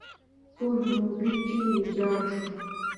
ټول جنوبي چین ویجاړ شو.